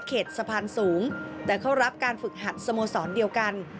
สะพานสูงแต่เขารับการฝึกหัดสโมสรเดียวกัน